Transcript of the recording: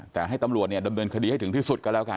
แต่ให้ตำรวจเนี่ยตำเนินคดีให้ถึงที่สุด